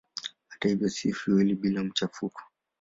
Hata hivyo si fueli bila machafuko.